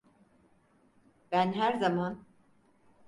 Ben her zaman…